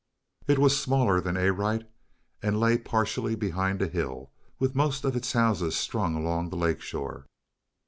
It was smaller than Arite, and lay partially behind a hill, with most of its houses strung along the lake shore.